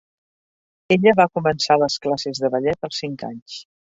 Ella va començar les classes de ballet als cinc anys.